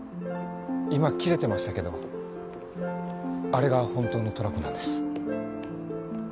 今キレてましたけどあれが本当のトラコなんです。